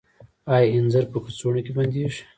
آیا انځر په کڅوړو کې بندیږي؟